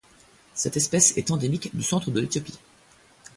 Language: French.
Cette espèce est endémique du centre de l'Éthiopie.